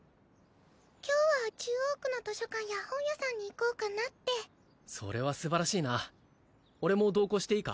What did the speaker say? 今日は中央区の図書館や本屋さんに行こうかなってそれはすばらしいな俺も同行していいか？